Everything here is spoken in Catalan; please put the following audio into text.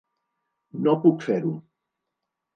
No puc fer-ho.